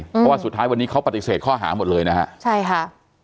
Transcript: เพราะว่าสุดท้ายวันนี้เขาปฏิเสธข้อหาหมดเลยนะฮะใช่ค่ะ